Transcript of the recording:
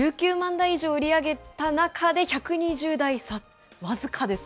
１９万台以上売り上げた中で、１２０台差。